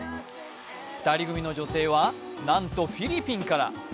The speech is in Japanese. ２人組の女性は、なんとフィリピンから。